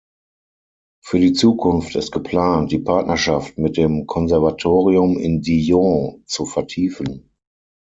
Für die Zukunft ist geplant, die Partnerschaft mit dem Konservatorium in Dijon zu vertiefen.